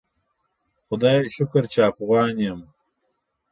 خدایه شکر چی افغان یم